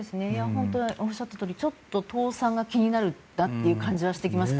おっしゃったとおりちょっと倒産が気になるなという感じがしてきます。